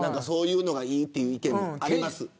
そういうのがいいという意見もあります。